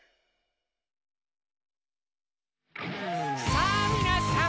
さぁみなさん！